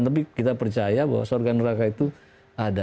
tapi kita percaya bahwa sorga dan neraka itu ada